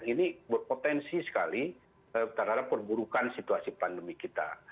ini berpotensi sekali terhadap perburukan situasi pandemi kita